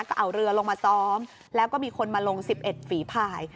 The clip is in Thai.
ก็เอาเรือลงมาซ้อมแล้วก็มีคนมาลง๑๑ฝีภาย